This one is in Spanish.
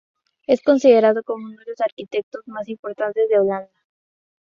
Es considerado uno de los arquitectos más importantes de Holanda.